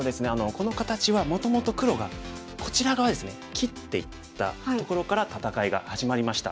この形はもともと黒がこちら側ですね切っていったところから戦いが始まりました。